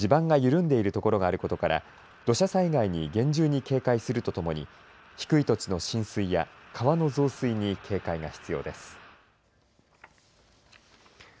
これまでの大雨で地盤が緩んでいる所があることから土砂災害に厳重に警戒するとともに低い土地の浸水や川の増水に警戒が必要です。